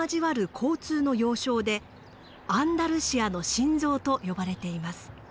交通の要衝でアンダルシアの心臓と呼ばれています。